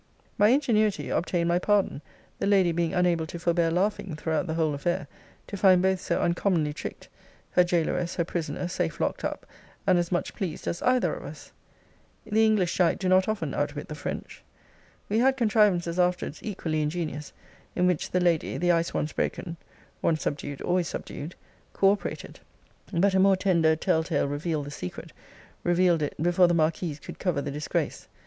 'My ingenuity obtained my pardon: the lady being unable to forbear laughing throughout the whole affair, to find both so uncommonly tricked; her gaoleress her prisoner, safe locked up, and as much pleased as either of us.' The English, Jack, do not often out wit the French. 'We had contrivances afterwards equally ingenious, in which the lady, the ice once broken [once subdued, always subdued] co operated. But a more tender tell tale revealed the secret revealed it, before the marquise could cover the disgrace.